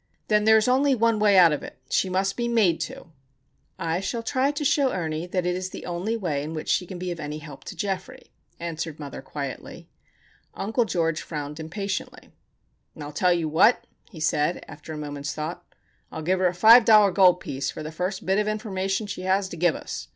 "Then there is only one way out of it. She must be made to." "I shall try to show Ernie that it is the only way in which she can be of any help to Geoffrey," answered mother, quietly. Uncle George frowned impatiently. "I'll tell you what," he said, after a moment's thought. "I'll give her a five dollar gold piece for the first bit of information she has to give us.